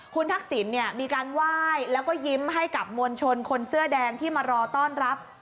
คุณทักษิณเนี่ยมีการไหว้แล้วก็ยิ้มให้กับมวลชนคนเสื้อแดงที่มารอต้อนรับ